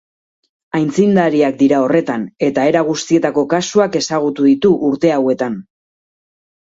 Aitzindariak dira horretan, eta era guztietako kasuak ezagutu ditu urte hauetan.